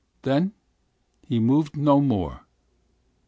Then he moved no more.